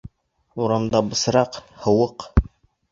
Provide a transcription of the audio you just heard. Урамда бысраҡ, һыуыҡ.